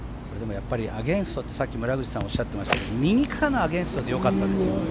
アゲンストってさっき、村口さんおっしゃってましたけど右からのアゲンストでよかったですよ。